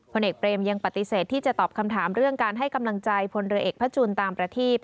ผลเอกเบรมยังปฏิเสธที่จะตอบคำถามเรื่องการให้กำลังใจพลเรือเอกพระจุลตามประทีป